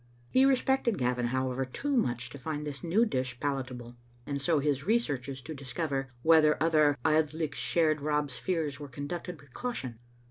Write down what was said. He respected Gavin, however, too much to find this new dish palatable, and so his researches to discover whether other Auld Lichts shared Rob's fears were conducted with caution.